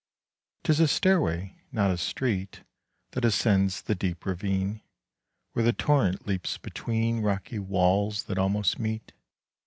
'Tis a stairway, not a street, That ascends the deep ravine, 15 Where the torrent leaps between Rocky walls that almost meet.